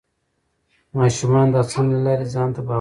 ماشومان د هڅونې له لارې ځان ته باور پیدا کوي